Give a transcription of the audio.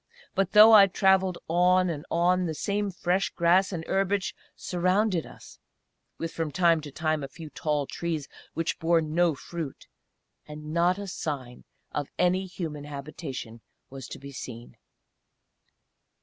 But though I travelled on and on, the same fresh grass and herbage surrounded us, with from time to time a few tall trees which bore no fruit; and not a sign of any human habitation was to be seen.